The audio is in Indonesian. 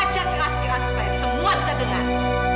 baca keras keras supaya semua bisa dengar